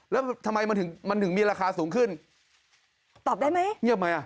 แล้วทำไมมันถึงมันถึงมีราคาสูงขึ้นตอบได้ไหมเงียบไหมอ่ะ